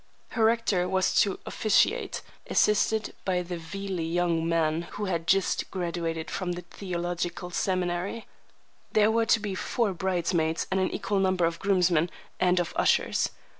Her rector was to officiate, assisted by the vealy young man who had just graduated from the theological seminary. There were to be four bridesmaids and an equal number of groomsmen and of ushers.